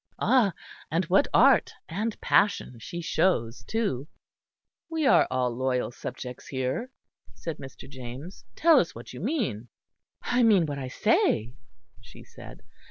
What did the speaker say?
Ah! and what art and passion she shows too!" "We are all loyal subjects here," said Mr. James; "tell us what you mean." "I mean what I say," she said.